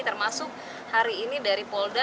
termasuk hari ini dari polda